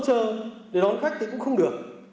lỗ trờ để đón khách thì cũng không được